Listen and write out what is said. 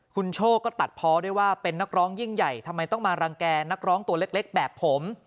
คุณโชคก็ตัดเพาะด้วยว่าเป็นนักร้องยิ่งใหญ่ทำไมต้องมารังแก่นักร้องตัวเล็กแบบผม